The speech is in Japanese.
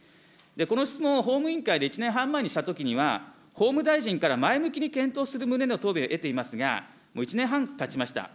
この質問を法務委員会で１年半前にしたときには、法務大臣から前向きに検討する旨の答弁を得ていますが、もう１年半たちました。